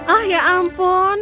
oh ya ampun